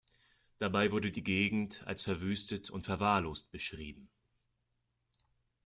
Dabei wurde die Gegend als verwüstet und verwahrlost beschrieben.